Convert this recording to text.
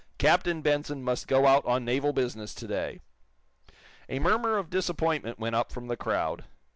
"Captain Benson must go out on naval business to day." A murmur of disappointment went up from the crowd.